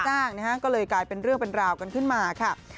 จ้างนะฮะก็เลยกลายเป็นเรื่องเป็นราวกันขึ้นมาค่ะ